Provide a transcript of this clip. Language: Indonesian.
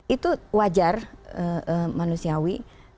itu wajar manusiawi